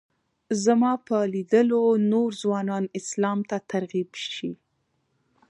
زما په لیدلو نور ځوانان اسلام ته ترغیب شي.